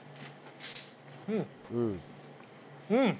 うん！